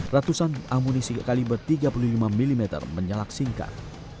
ratusan amunisi kaliber tiga puluh lima mm menyalak singkat